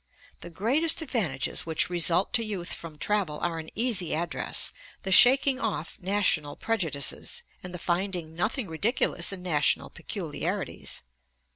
The greatest advantages which result to youth from travel are an easy address, the shaking off national prejudices, and the finding nothing ridiculous in national peculiarities.